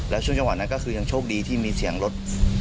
แล้วช่วงจังหวะนั้นก็คือยังโชคดีที่มีเสียงรถ